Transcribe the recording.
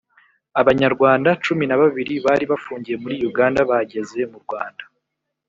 abanyarwanda cumin na babiri bari bafungiye muri Uganda bageze mu Rwanda